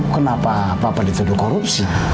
kenapa papa dituduh korupsi